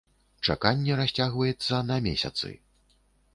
Чаканне расцягваецца на месяцы.